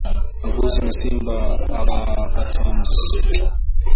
Mbuzi na simba aba patanaki